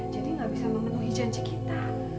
jadi tidak bisa memenuhi janji kita